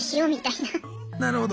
なるほど。